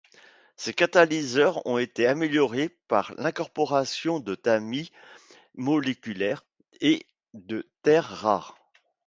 Ces catalyseurs ont été améliorés par l'incorporation de tamis moléculaires et de terres rares.